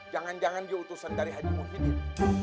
jangan jangan dia utusan dari haji muhyiddin